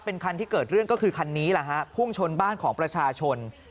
เป็นคันที่เกิดเรื่องก็คือคันนี้แหละฮะพุ่งชนบ้านของประชาชน